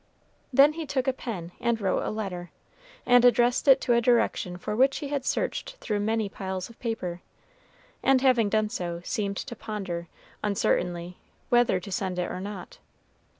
Then he took a pen and wrote a letter, and addressed it to a direction for which he had searched through many piles of paper, and having done so, seemed to ponder, uncertainly, whether to send it or not.